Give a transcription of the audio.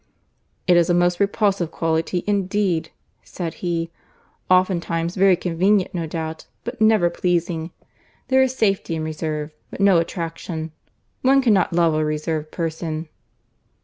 "It is a most repulsive quality, indeed," said he. "Oftentimes very convenient, no doubt, but never pleasing. There is safety in reserve, but no attraction. One cannot love a reserved person."